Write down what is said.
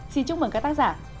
xin chúc mừng các tác giả